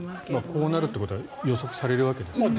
こうなるってことは予測されるわけですから。